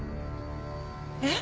えっ？